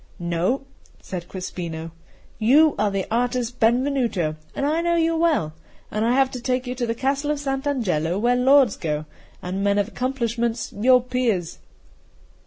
"No," said Crespino, "you are the artist Benvenuto, and I know you well, and I have to take you to the Castle of Sant' Angelo, where lords go, and men of accomplishments, your peers."